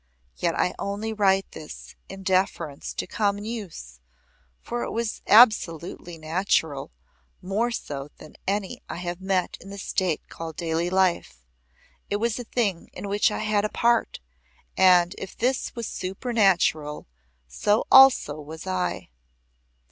Yet I only write this in deference to common use, for it was absolutely natural more so than any I have met in the state called daily life. It was a thing in which I had a part, and if this was supernatural so also was I.